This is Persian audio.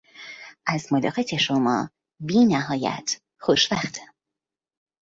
از ملاقات شما بینهایت خوشوقتم.